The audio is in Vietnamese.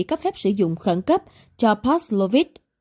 cấp phép sử dụng khẩn cấp cho paxlovid